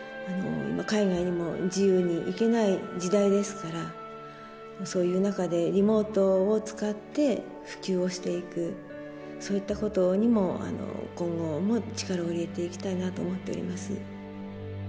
海外にも自由に行けない時代ですからそういう中でリモートを使って普及をしていくそういったことにも今後も力を入れていきたいなと思っております。